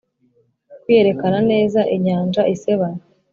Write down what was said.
kwiyerekana neza, inyanja isebanya